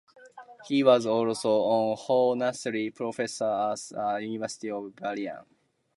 He was also an honorary professor at the University of Berlin.